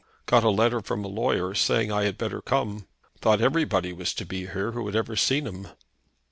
Got a letter from a lawyer, saying I had better come. Thought everybody was to be here who had ever seen him."